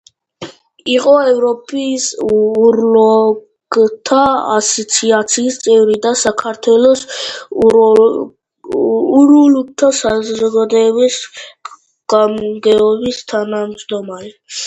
იყო ევროპის უროლოგთა ასოციაციის წევრი და საქართველოს უროლოგთა საზოგადოების გამგეობის თავმჯდომარე.